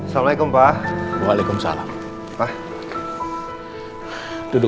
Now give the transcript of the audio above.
masih ingin mendengar suaramu